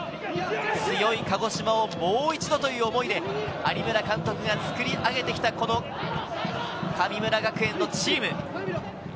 強い鹿児島をもう一度という思いで、有村監督が作り上げてきた、この神村学園のチーム。